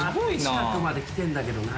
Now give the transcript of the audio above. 近くまで来てんだけどな。